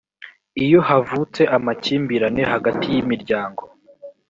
iyo havutse amakimbirane hagati y imiryango